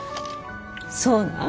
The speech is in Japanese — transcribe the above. そうなん？